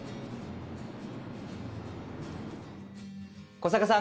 古坂さん